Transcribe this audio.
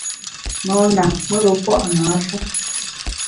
Mona, mùr-u pua’ nâ-shu.